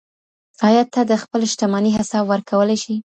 ایا ته د خپلې شتمنۍ حساب ورکولی شې؟